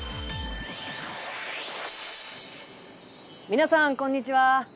皆さんこんにちは。